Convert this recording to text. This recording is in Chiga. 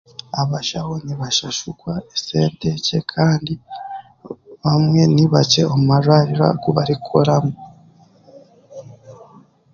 Abashaho nibashashurwa esente nkye kandi bamwe nibakye omu marwariro agu barikukoramu.